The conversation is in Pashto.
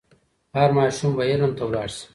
هر ماشوم به علم ته لاړ سي.